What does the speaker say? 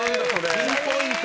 ピンポイント。